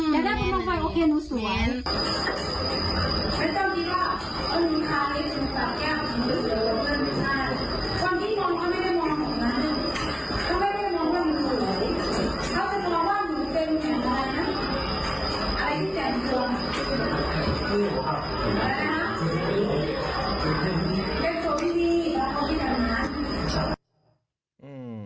อยากจะปุ่มด้องไฟโอเคหนูสวย